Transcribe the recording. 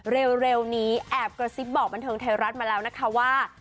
เร็วนี้แอบกระซิบบอกบันเทิงไทยรัฐมาแล้วนะคะว่า